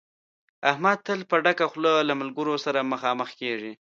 احمد تل په ډکه خوله له ملګرو سره مخامخ کېږي.